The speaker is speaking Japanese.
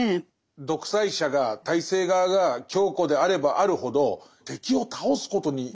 独裁者が体制側が強固であればあるほど敵を倒すことに燃えると思うんですけど。